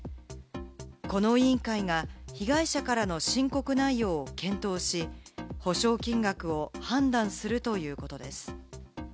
この委員会が被害者からの申告内容を検討し、補償金額を判断するということです。